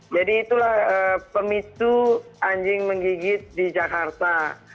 jadi itulah pemicu anjing menggigit di jakarta